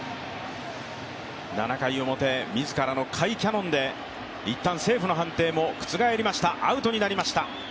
７回表、自らの甲斐キャノンでいったんセーフの判定も覆りました、アウトになりました。